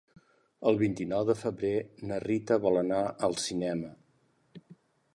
El vint-i-nou de febrer na Rita vol anar al cinema.